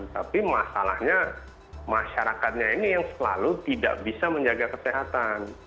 tapi masalahnya masyarakatnya ini yang selalu tidak bisa menjaga kesehatan